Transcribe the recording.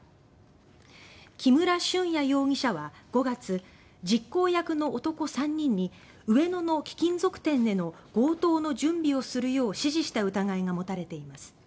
木村俊哉容疑者は５月実行役の男３人に上野の貴金属店での強盗の準備をするよう指示した疑いが持たれています。